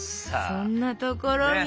そんなところに。